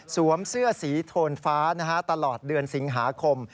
เสื้อสีโทนฟ้าตลอดเดือนสิงหาคม